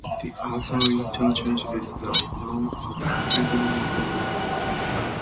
The other interchange is now known as the Pentagon road network.